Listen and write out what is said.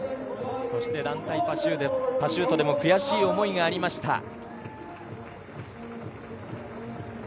団体パシュートでも悔しい思いがありました。